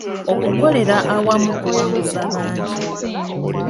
Okukolera awamu kuwanguza bangi.